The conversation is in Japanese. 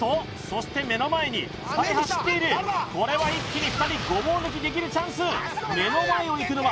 そして目の前に２人走っているこれは一気に２人ごぼう抜きできるチャンス